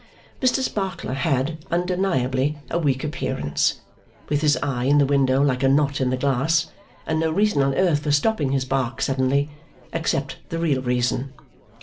Mr Sparkler had, undeniably, a weak appearance; with his eye in the window like a knot in the glass, and no reason on earth for stopping his bark suddenly, except the real reason.